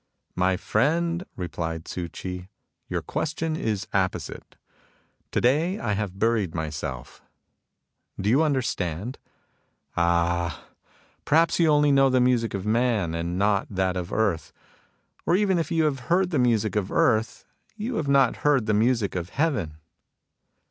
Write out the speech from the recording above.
" My friend," replied Tzu Ch'i, " your question is apposite. To day I have buried myself. ... Do you understand ?... Ah ! perhaps you only know the music of Man, and not that of Earth. Or even if you have heard the music of Earth, you have not heard the music of Heaven."